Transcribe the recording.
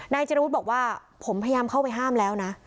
จรุธบอกว่าผมพยายามเข้าไปห้ามแล้วนะ